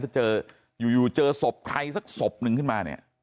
ถ้าเจออยู่เจอศพใครสักศพนึงขึ้นมาเนี่ย